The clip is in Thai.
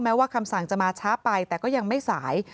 ว่าคำสั่งจะมาช้าไปแต่ก็ยังไม่สาย